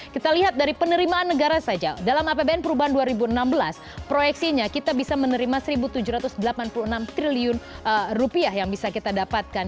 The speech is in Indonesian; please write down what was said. kita lihat dari penerimaan negara saja dalam apbn perubahan dua ribu enam belas proyeksinya kita bisa menerima rp satu tujuh ratus delapan puluh enam triliun rupiah yang bisa kita dapatkan